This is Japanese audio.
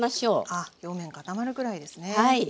あっ表面固まるくらいですね。